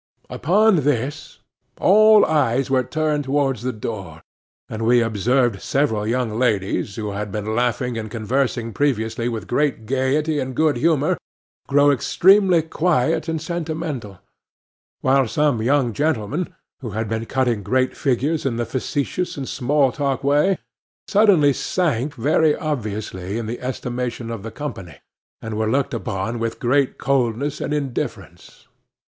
Upon this, all eyes were turned towards the door, and we observed several young ladies, who had been laughing and conversing previously with great gaiety and good humour, grow extremely quiet and sentimental; while some young gentlemen, who had been cutting great figures in the facetious and small talk way, suddenly sank very obviously in the estimation of the company, and were looked upon with great coldness and indifference.